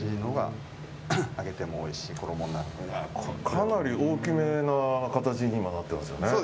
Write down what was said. かなり大きめな形に今、なってますよね。